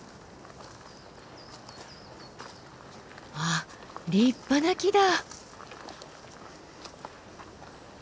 あ立派な木だ！